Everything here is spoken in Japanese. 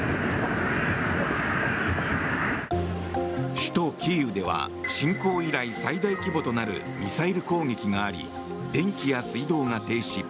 首都キーウでは侵攻以来最大規模となるミサイル攻撃があり電気や水道が停止。